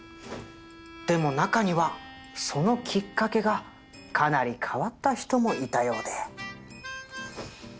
でも中にはそのきっかけがかなり変わった人もいたようで。